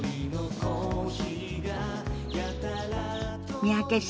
三宅さん。